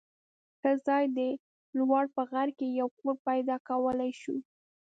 ښه ځای دی. لوړ په غر کې یو کور پیدا کولای شو.